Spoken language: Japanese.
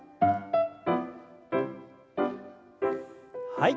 はい。